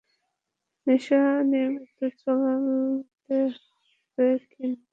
নেশা নিয়মিত চলতে হবে কিন্তু।